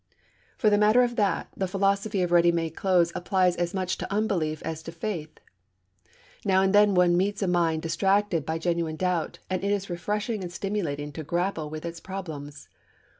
For the matter of that, the philosophy of ready made clothes applies as much to unbelief as to faith. Now and then one meets a mind distracted by genuine doubt, and it is refreshing and stimulating to grapple with its problems.